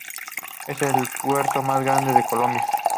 Es el puerto más grande de Colombia.